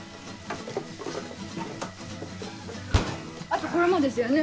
あとこれもですよね。